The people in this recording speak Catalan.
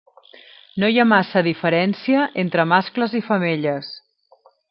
No hi ha massa diferència entre mascles i femelles.